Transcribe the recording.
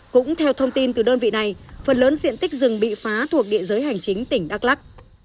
cũng theo thông tin từ đơn vị này phần lớn diện tích rừng bị phá thuộc địa giới hành chính tỉnh đắk lắc